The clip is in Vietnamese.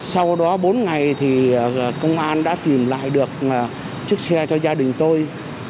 sau đó bốn ngày thì công an đã tìm lại được chiếc xe cho gia đình tôi